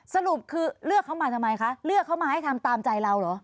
สรุปคือเลือกเขามาทำไมคะเลือกเขามาให้ทำตามใจเราเหรอ